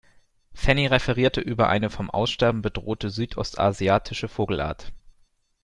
Fanny referiert über eine vom Aussterben bedrohte südostasiatische Vogelart.